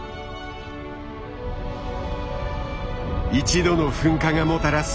一度の噴火がもたらす